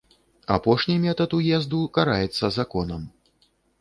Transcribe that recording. Апошні метад уезду караецца законам.